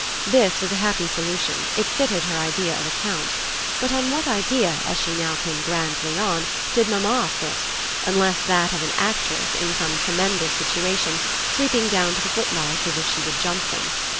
This was a happy solution it fitted her idea of a count. But what idea, as she now came grandly on, did mamma fit? unless that of an actress, in some tremendous situation, sweeping down to the footlights as if she would jump them.